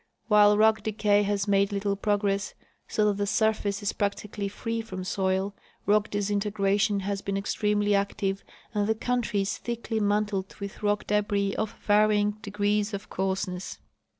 While rock decay has made little progress, so that the surface is practically free from soil, rock disintegration has been extremely active and the country is thickly mantled with rock debris of varjdng degrees of coarseness.